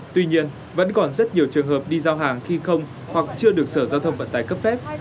tuy nhiên vẫn còn rất nhiều trường hợp đi giao hàng khi không hoặc chưa được sở giao thông vận tải cấp phép